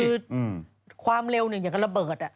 คือความเร็วหนึ่งอย่างระเบิดอ่ะ